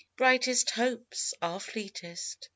Brightest hopes are fleetest.